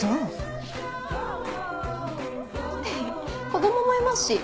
子供もいますし。